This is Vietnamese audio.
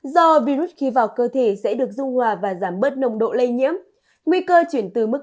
do virus khi vào cơ thể sẽ được dung hòa và giảm bớt nồng độ lây nhiễm nguy cơ chuyển từ mức